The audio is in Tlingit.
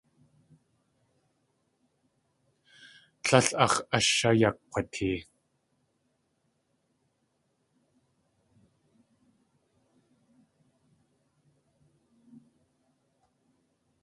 Tlél áx̲ ashayakg̲watee.